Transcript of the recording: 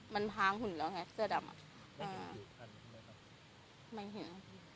มันพางหุ่นแล้วไงเสื้อดำค่ะเออแล้วก็ไม่เห็น